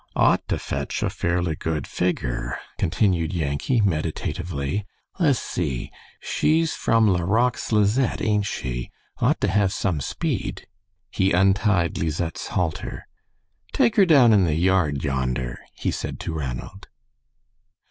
"Ought to fetch a fairly good figure," continued Yankee, meditatively. "Le's see. She's from La Roque's Lisette, ain't she? Ought to have some speed." He untied Lisette's halter. "Take her down in the yard yonder," he said to Ranald.